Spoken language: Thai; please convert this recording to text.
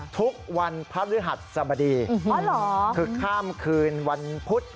ทุกวันภรรยหัสสมดีอ๋อเหรอคือข้ามคืนวันพุธ